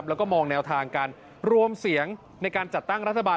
แล้วก็มองแนวทางการรวมเสียงในการจัดตั้งรัฐบาล